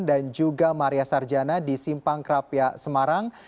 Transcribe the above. dan juga maria sarjana di simpang krapia semarang